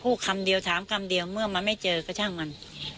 คำเดียวถามคำเดียวเมื่อมันไม่เจอก็ช่างมัน